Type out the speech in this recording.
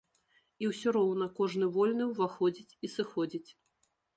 І ўсё роўна кожны вольны ўваходзіць і сыходзіць.